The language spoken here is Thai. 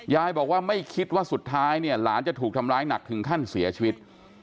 ยายบอกว่าไม่คิดว่าสุดท้ายเนี่ยหลานจะถูกทำร้ายหนักถึงขั้นเสียชีวิต